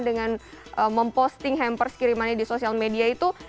dengan memposting hampers kirimannya di sosial media itu